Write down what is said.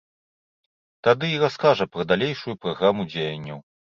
Тады і раскажа пра далейшую праграму дзеянняў.